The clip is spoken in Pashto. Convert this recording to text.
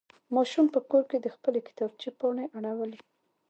ماشوم په کور کې د خپلې کتابچې پاڼې اړولې.